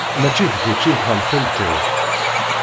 Mačči d kečč i d tamtilt-iw.